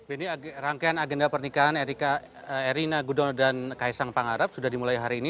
ini rangkaian agenda pernikahan erina gudono dan kaisang pangarap sudah dimulai hari ini